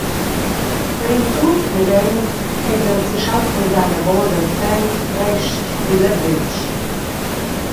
Per in cuort mument eis el seschaus curdar anavos el fein frestg dil ladretsch.